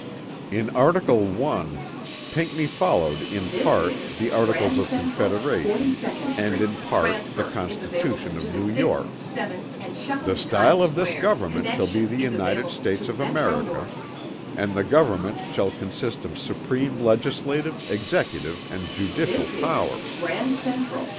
In article 1 Pinckney followed in part the Articles of Confederation and in part the Constitution of New York: "The stile of this Government shall be the United States of America, and the Government shall consist of supreme legislative, Executive and judicial powers."